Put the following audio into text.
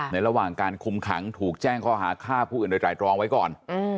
ระหว่างการคุมขังถูกแจ้งข้อหาฆ่าผู้อื่นโดยไตรรองไว้ก่อน